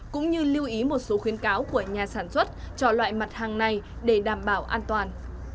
cũng như lưu ý một số khuyến cáo của nhà sản xuất cho loại mặt hàng này để đảm bảo an toàn